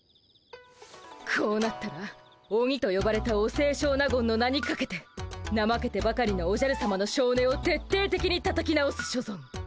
こうなったらオニとよばれたお清少納言の名にかけてなまけてばかりのおじゃるさまのしょうねをてっていてきにたたき直す所存。